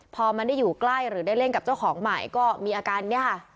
พอมันได้อยู่ใกล้หรือได้เล่นกับเจ้าของใหม่ก็มีอาการเนี่ยค่ะ